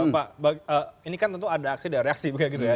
pak ini kan tentu ada aksi dan reaksi